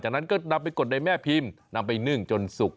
จากนั้นก็นำไปกดในแม่พิมพ์นำไปนึ่งจนสุก